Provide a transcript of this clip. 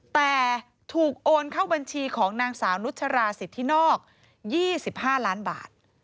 แต่ถูกโอนเข้าบัญชีของนางสาวนุชราสิทธินอก๒๕ล้านบาท